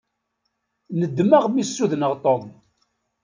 Nedmeɣ mi ssudneɣ Tom.